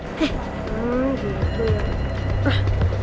nah gitu ya